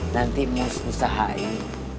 nanti mus usahain